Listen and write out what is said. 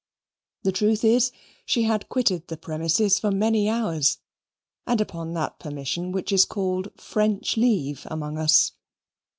The truth is, she had quitted the premises for many hours, and upon that permission which is called French leave among us.